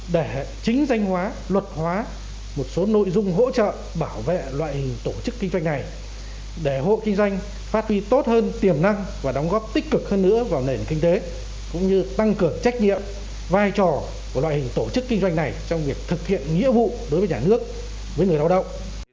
để chính danh hóa luật hóa một số nội dung hỗ trợ bảo vệ loại hình tổ chức kinh doanh này để hộ kinh doanh phát huy tốt hơn tiềm năng và đóng góp tích cực hơn nữa vào nền kinh tế cũng như tăng cường trách nhiệm vai trò của loại hình tổ chức kinh doanh này trong việc thực hiện nghĩa vụ đối với nhà nước với người lao động